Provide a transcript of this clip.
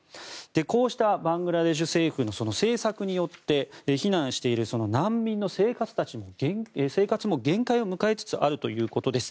こうしたバングラデシュ政府の政策によって避難している難民の生活も限界を迎えつつあるということです。